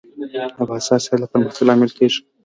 د بازار سیالي د پرمختګ لامل کېږي.